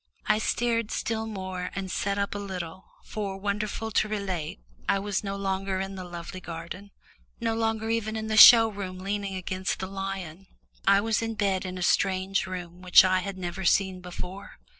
I stared still more, and sat up a little, for, wonderful to relate, I was no longer in the lovely garden, no longer even in the show room leaning against the lion: I was in bed in a strange room which I had never seen before.